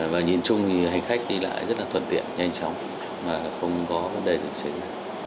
và nhìn chung hành khách đi lại rất là thuận tiện nhanh chóng không có vấn đề gì xảy ra